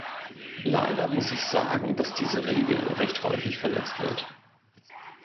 Leider muss ich sagen, dass diese Regel recht häufig verletzt wird.